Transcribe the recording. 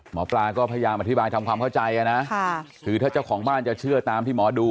หมอปลาก็พยายามอธิบายทำความเข้าใจนะคือถ้าเจ้าของบ้านจะเชื่อตามที่หมอดู